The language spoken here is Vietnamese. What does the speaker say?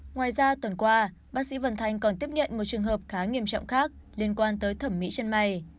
ngoài ra tuần qua bác sĩ vận thanh còn tiếp nhận một trường hợp khá nghiêm trọng khác liên quan tới thẩm mỹ chân mày